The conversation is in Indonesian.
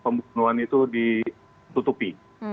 pembunuhan itu ditutupi